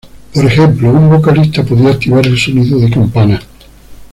Por ejemplo, un vocalista podía activar el sonido de campanas.